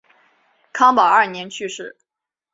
康保二年去世。